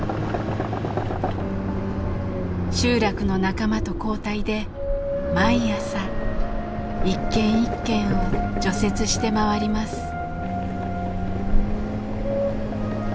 集落の仲間と交代で毎朝一軒一軒を除雪して回ります。